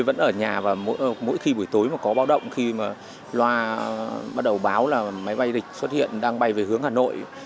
vẫn ở nhà và mỗi khi buổi tối mà có báo động khi mà loa bắt đầu báo là máy bay địch xuất hiện đang bay về hướng hà nội